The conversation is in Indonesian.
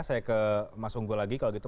saya ke mas unggul lagi kalau gitu